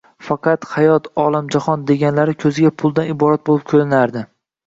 Faqat, hayot, olam-jahon deganlari ko`ziga puldan iborat bo`lib ko`rinardi